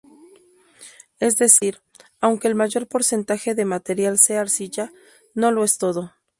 Es decir, aunque el mayor porcentaje de material sea arcilla, no lo es todo.